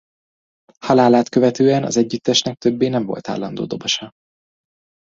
Halálát követően az együttesnek többé nem volt állandó dobosa.